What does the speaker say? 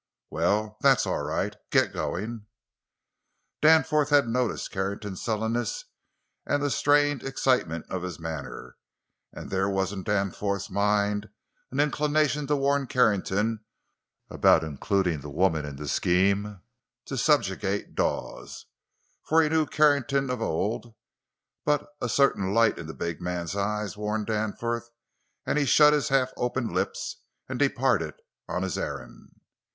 Well, that's all right. Get going!" Danforth had noticed Carrington's sullenness, and the strained excitement of his manner, and there was in Danforth's mind an inclination to warn Carrington about including the woman in the scheme to subjugate Dawes—for he knew Carrington of old; but a certain light in the big man's eyes warned Danforth and he shut his half opened lips and departed on his errand.